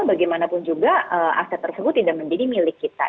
bagaimanapun juga aset tersebut tidak menjadi milik kita